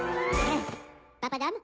パパダム？